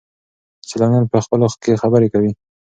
سیلانیان په خپلو کې خبرې کوي.